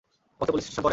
পথে police station পড়ে?